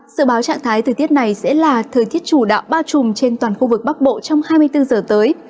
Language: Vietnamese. sự báo trạng thái thời tiết này sẽ là thời tiết chủ đạo bao trùm trên toàn khu vực bắc bộ trong hai mươi bốn giờ tới